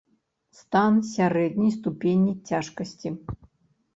Стан сярэдняй ступені цяжкасці.